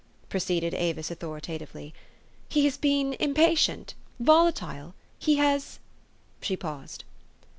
pro ceeded Avis authoritatively. "He has been impa tient, volatile he has " She paused.